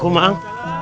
kamu mau ke dalam